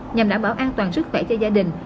nhằm đảm bảo an toàn sức khỏe cho gia đình